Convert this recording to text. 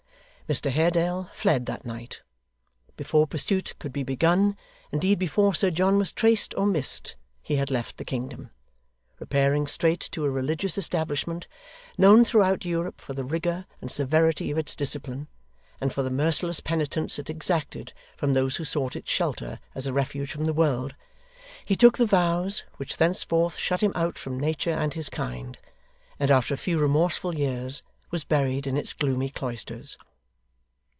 Mr Haredale fled that night. Before pursuit could be begun, indeed before Sir John was traced or missed, he had left the kingdom. Repairing straight to a religious establishment, known throughout Europe for the rigour and severity of its discipline, and for the merciless penitence it exacted from those who sought its shelter as a refuge from the world, he took the vows which thenceforth shut him out from nature and his kind, and after a few remorseful years was buried in its gloomy cloisters.